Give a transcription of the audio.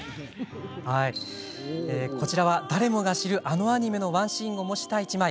こちらは誰もが知るあのアニメのワンシーンを模した１枚。